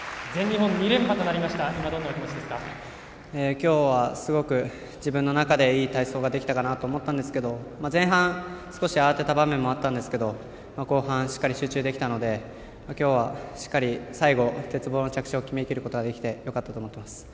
今日はすごく自分の中でいい体操ができたかなと思ったんですけど前半、少し慌てた場面もあったんですが後半しっかり集中できたので今日はしっかり最後鉄棒の着地を決めきることができてよかったと思っています。